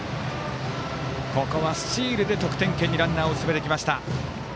ここはスチールで得点圏ランナー進めてきました。